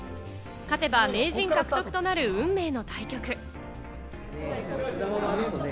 勝てば名人獲得となる運命の対局。